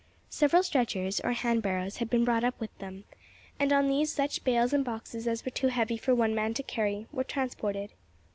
Several stretchers, or hand barrows, had been brought up with them, and on these such bales and boxes as were too heavy for one man to carry were transported.